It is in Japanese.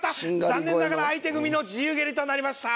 残念ながら相手組の自由蹴りとなりました。